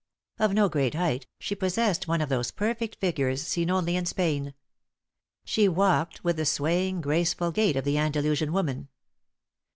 Of no great height, she possessed one of those perfect figures seen only in Spain. She walked with the swaying, graceful gait of the Andalusian woman.